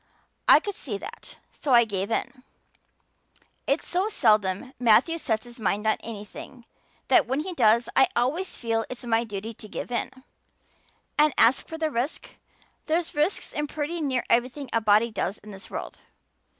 I could see that, so I gave in. It's so seldom Matthew sets his mind on anything that when he does I always feel it's my duty to give in. And as for the risk, there's risks in pretty near everything a body does in this world.